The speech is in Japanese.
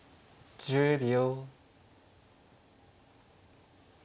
１０秒。